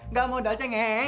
nggak modal cengeng